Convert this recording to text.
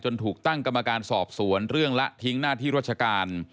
ถูกตั้งกรรมการสอบสวนเรื่องละทิ้งหน้าที่ราชการ